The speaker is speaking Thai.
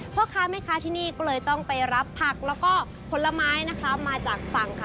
พ่อค้าแม่ค้าที่นี่ก็เลยต้องไปรับผักแล้วก็ผลไม้นะคะมาจากฝั่งค่ะ